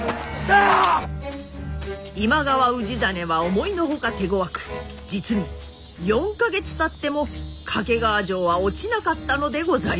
今川氏真は思いの外手ごわく実に４か月たっても懸川城は落ちなかったのでございます。